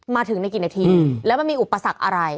มาถึงในกี่นาทีแล้วมันมีอุปสรรคอะไร